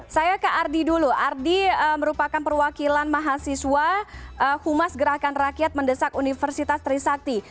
saya ke ardi dulu ardi merupakan perwakilan mahasiswa humas gerakan rakyat mendesak universitas trisakti